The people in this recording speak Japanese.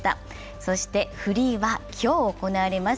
そして、フリーは今日行われます。